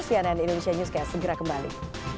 cnn indonesia newscast segera kembali